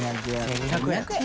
１２００円。